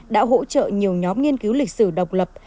đã hỗ trợ nhiều nhóm nghiên cứu lịch sử độc lập